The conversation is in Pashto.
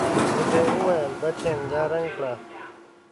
ورته يې وويل بچېم دا رنګ کړه.